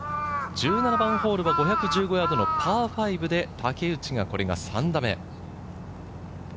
１７番ホールは５１５ヤードのパー５で、竹内はこれが３打目。